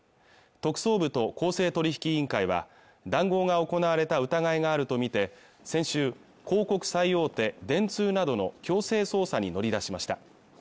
特捜部と公正取引委員会は談合が行われた疑いがあると見て先週広告最大手電通などの強制捜査に乗り出しました